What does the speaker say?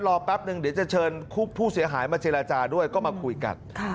แป๊บนึงเดี๋ยวจะเชิญผู้เสียหายมาเจรจาด้วยก็มาคุยกัน